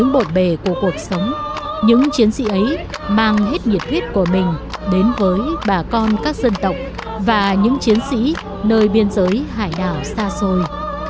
và những chiến sĩ nơi biên giới hải đảo xa xôi